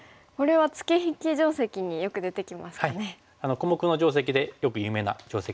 小目の定石でよく有名な定石ですけれども。